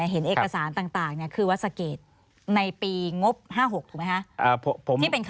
เห็นเอกสารต่างคือวัดสะเกดในปีงบ๕๖ถูกไหมคะ